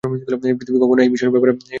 পৃথিবী কখনও এই মিশনের ব্যাপারে জানবে না।